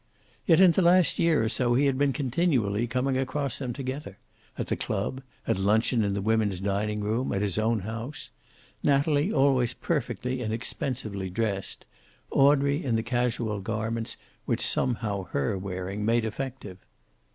Yet, in the last year or so, he had been continually coming across them together at the club, at luncheon in the women's dining room, at his own house, Natalie always perfectly and expensively dressed, Audrey in the casual garments which somehow her wearing made effective.